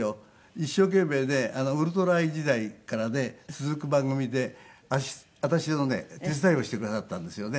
一生懸命ね『ウルトラアイ』時代からね続く番組で私のね手伝いをしてくださったんですよね。